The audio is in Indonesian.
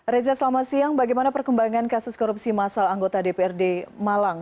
reza selamat siang bagaimana perkembangan kasus korupsi masal anggota dprd malang